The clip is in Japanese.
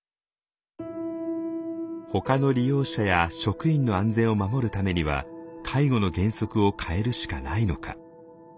ほかの利用者や職員の安全を守るためには介護の原則を変えるしかないのか。